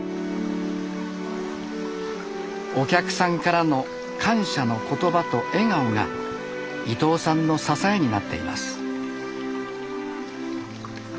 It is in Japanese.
お客さんからの感謝の言葉と笑顔が伊藤さんの支えになっています。